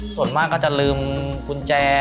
ส่วนมากก็จะลืมกุญแจ